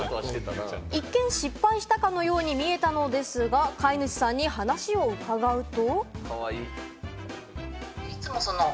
一見、失敗したかのように見えたのですが、飼い主さんにお話を伺うと。